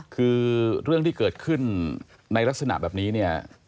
คือเรื่องที่เกิดขึ้นในลักษณะแบบนี้เนี่ย